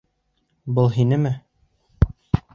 Был һинме?